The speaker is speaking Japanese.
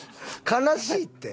悲しいって。